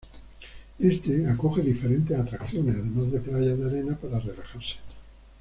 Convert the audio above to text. Este acoge diferentes atracciones, además de playas de arena para relajarse.